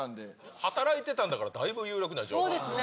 働いてたんだからだいぶ有力そうですね。